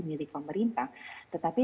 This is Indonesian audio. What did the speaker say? milik pemerintah tetapi